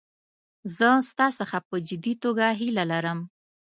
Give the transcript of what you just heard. زه ستا څخه په جدي توګه هیله کوم.